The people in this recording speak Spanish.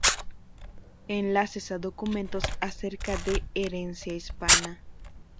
Enlaces a documentos acerca de herencia hispana